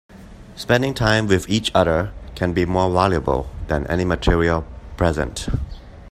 Spending time with each other can be more valuable than any material present.